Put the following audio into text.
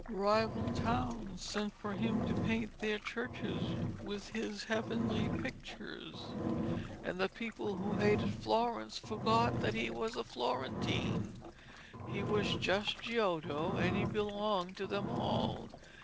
Rival towns sent for him to paint their churches with his heavenly pictures, and the people who hated Florence forgot that he was a Florentine. He was just Giotto, and he belonged to them all.